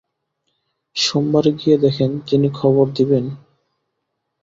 সোমবারে গিয়ে দেখেন, যিনি খবর দেবেন।